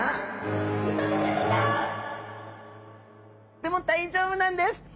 でも大丈夫なんです。